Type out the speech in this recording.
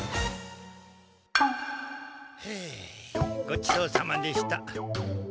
ごちそうさまでした。